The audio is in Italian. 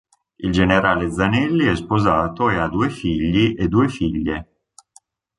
Il generale Zanelli è sposato e ha due figli e due figlie.